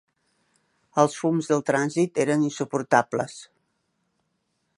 Els fums del trànsit eren insuportables.